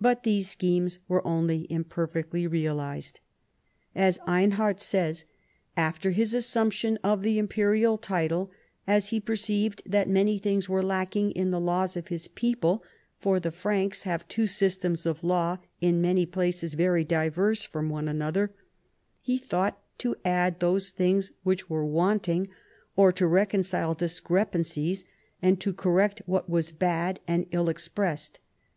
But these schemes were only imperfectly realized. As Einhard says, " After his assumption of the imperial title, as he perceived that many things were lacking in the laws of his people (for the Franks have two systems of law, in many places very diverse from one another), he thought to add those things which were wanting, to reconcile discrep ancies, and to correct what was bad and ill ex pressed.